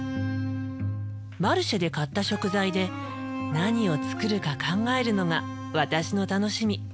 マルシェで買った食材で何を作るか考えるのが私の楽しみ。